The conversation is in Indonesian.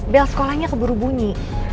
bel sekolahnya keburu bunyi